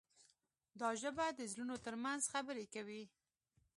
دا ژبه د زړونو ترمنځ خبرې کوي.